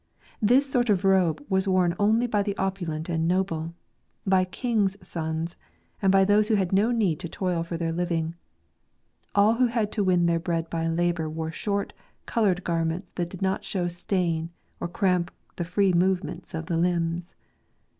This sort of robe was worn only by the opulent and noble, by kings' sons, and by those who had no need to toil for their living. All who had to win their bread by labour wore short, coloured garments that did not show stain, or cramp the free movement of the limbs.